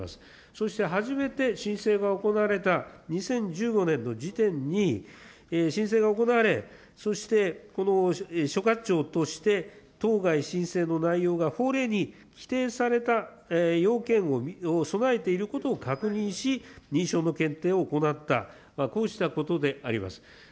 そして初めて申請が行われた２０１５年の時点に申請が行われ、そして、この所轄庁として当該申請の内容が法令に規定された要件を備えていることを確認し、認証の決定を行った、こうしたことであります。